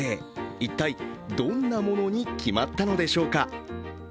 一体、どんなものに決まったのでしょうか？